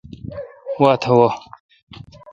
واتہ وہ۔